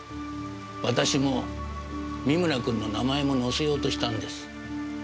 私も三村君の名前も載せようとしたんです。